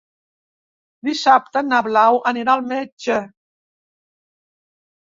Dissabte na Blau anirà al metge.